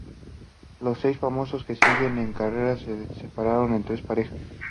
Los seis famosos que siguen en carrera son separados en tres parejas.